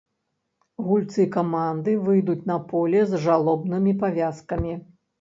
Гульцы каманды выйдуць на поле з жалобнымі павязкамі.